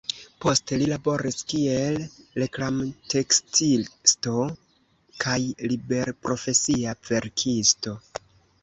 Poste li laboris kiel reklamtekstisto kaj liberprofesia verkisto.